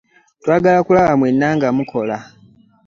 Twagala okulaba nga mwenna mukola.